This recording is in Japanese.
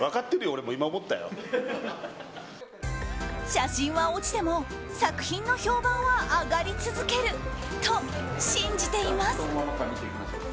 写真は落ちても作品の評判は上がり続けると信じています。